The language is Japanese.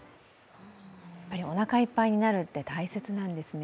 おなかいっぱになるって大切なんですね。